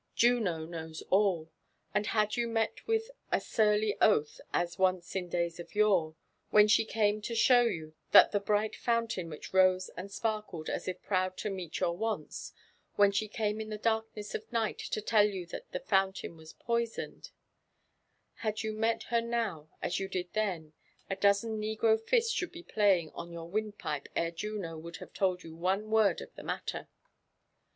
Juno knows all ; and had you met her with 1»0 LIFB AND ADVENTUaBS OF a surly oath, as onee in days of yore, when she came to show you thai the bright fountaio which rose and sparkled as if proud to meet your wants — when she came in the darkness of night to tell you that foun tain was poisoned, — ^had you met her now as you did then, a dozen negro fists should be playing on your windpipe ere Juno would have t9]d you one word of the matter.